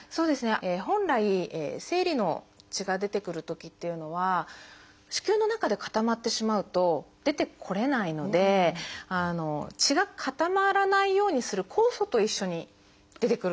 本来生理の血が出てくるときっていうのは子宮の中で固まってしまうと出てこれないので血が固まらないようにする酵素と一緒に出てくるんですね。